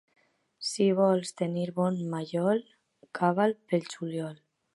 Si vols tenir bon mallol, cava'l pel juliol.